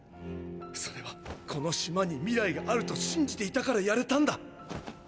それはこの島に未来があると信じていたからやれたんだ！！